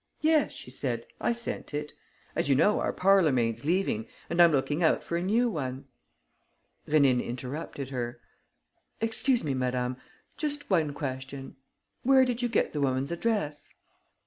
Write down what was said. Yes," she said, "I sent it. As you know, our parlour maid's leaving and I'm looking out for a new one." Rénine interrupted her: "Excuse me, madame. Just one question: where did you get the woman's address?"